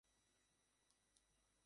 বের হও!